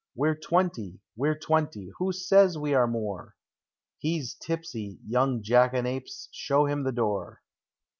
We're twenty! We're twenty! Who says we are more? ne 's tipsy, — young jackanapes! — show him the door